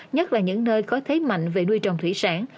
nhất là những nơi có thế mạnh về nuôi trồng thủy sản